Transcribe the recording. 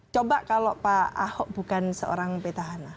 coba kalau pak ahok bukan seorang petahana